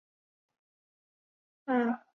后来曹操任命丁仪为西曹掾。